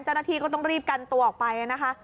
เจ้าหน้าที่ก็ต้องรีบกันตัวออกไปนะคะ